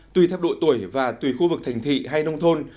tùy theo độ tuổi và tùy khu vực thành thị hay nông thôn